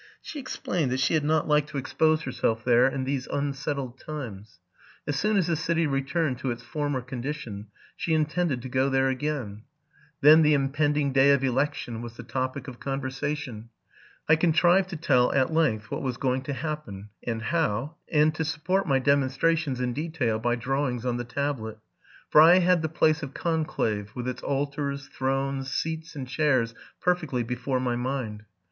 She explained that she had not liked to ex pose herself there in these unsettled times. As soon as the city returned to its former coudition, she intended to go there again. Then the impending day of election was the topic of conversation. I contrived to tell, at length, what was going to happen, and how, and to support my demonstra tions in detail by drawings on the tablet; for I had the place of conclave, with its altars, thrones, seats, and chairs, perfectly before my mind.